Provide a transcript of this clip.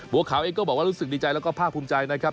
บัวขาวเองก็บอกว่ารู้สึกดีใจแล้วก็ภาคภูมิใจนะครับ